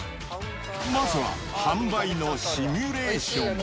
まずは、販売のシミュレーション。